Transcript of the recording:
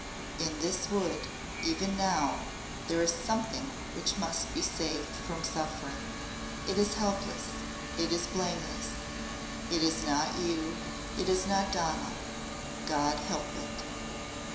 "In this Wood even now there is Something which must be saved from suffering. It is helpless it is blameless. It is not you it is not Donal God help it."